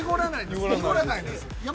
◆濁らないです。